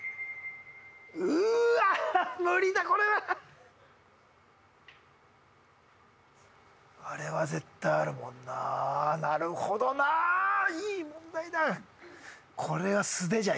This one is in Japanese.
うーわ無理だこれはあれは絶対あるもんななるほどないい問題だ